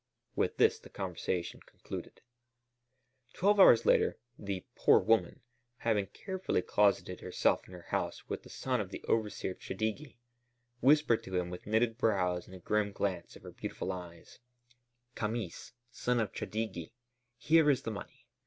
With this the conversation concluded. Twelve hours later "the poor woman," having carefully closeted herself in her house with the son of the overseer Chadigi, whispered to him with knitted brows and a grim glance of her beautiful eyes: "Chamis, son of Chadigi, here is the money.